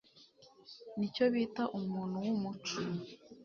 Nicyo bita umuntu wumuco.